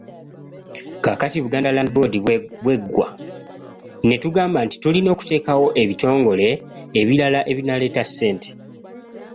Kaakati Buganda Land Board bw’eggwa, ne tugamba nti tulina okuteekawo ebitongole ebirala ebinaaleeta ssente.